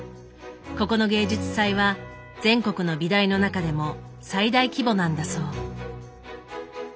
ここの芸術祭は全国の美大の中でも最大規模なんだそう。